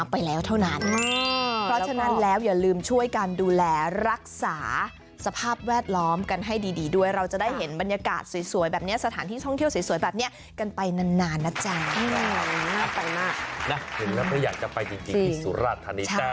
ไปนานนานนะจ๊ะน่าไปมากนะเห็นแล้วไม่อยากจะไปจริงจริงสุรธนิษย์